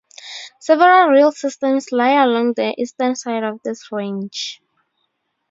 Several rille systems lie along the eastern side of this range.